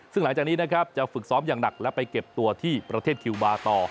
ซึ่งหลังจากนี้นะครับจะฝึกซ้อมอย่างหนักและไปเก็บตัวที่ประเทศคิวบาร์ต่อ